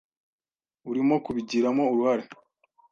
Urimo kubigiramo uruhare.